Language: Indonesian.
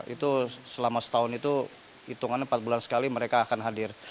itu selama setahun itu hitungannya empat bulan sekali mereka akan hadir